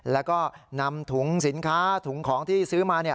แล้วก็นำถุงสินค้าถุงของที่ซื้อมา